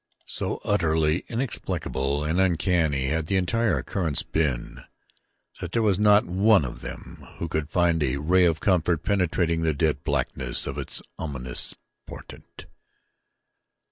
So utterly inexplicable and uncanny had the entire occurrence been that there was not a one of them who could find a ray of comfort penetrating the dead blackness of its ominous portent.